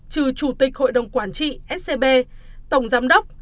trừ chủ tịch hội đồng quản trị scb tổng giám đốc